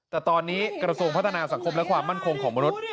แต่ตอนนี้กระทรวงพัฒนาสังคมและความมั่นคงของมนุษย์